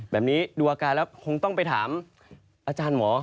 แบบนี้ดูอาการแล้วคงต้องไปถามอาจารย์หมอ